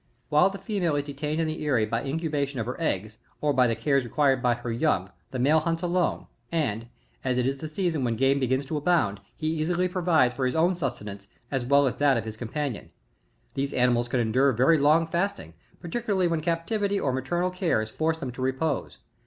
While the female is detained in the eyry by the incubation of Jier eggs, or by the cares required by her young the male hunts alone, and, as it is the season when game begins to abound, he easily provides for his own subsistance as well as for that "of his companion. These animals can endure very long fasting, especially when captivity or maternal cares force them to repose.